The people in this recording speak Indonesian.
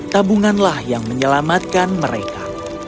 tabunganlah yang menyelamatkan mereka